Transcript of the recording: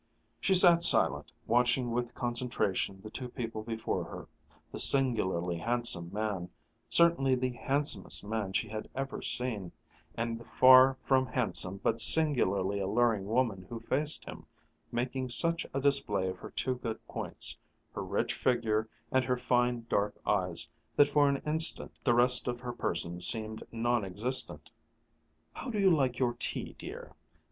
She sat silent, watching with concentration the two people before her, the singularly handsome man, certainly the handsomest man she had ever seen, and the far from handsome but singularly alluring woman who faced him, making such a display of her two good points, her rich figure and her fine dark eyes, that for an instant the rest of her person seemed non existent. "How do you like your tea, dear?"